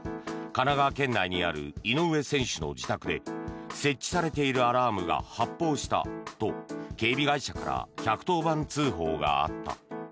神奈川県内にある井上選手の自宅で設置されているアラームが発報したと警備会社から１１０番通報があった。